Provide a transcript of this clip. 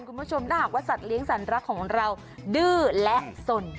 คุณผู้ชมถ้าสัตว์เลี้ยงสันรักของเราดื้อและส่วน